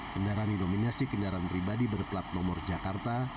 kendaraan di nominasi kendaraan pribadi berkelab nomor jakarta